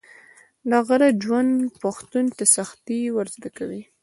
د غره ژوند پښتون ته سختي ور زده کوي.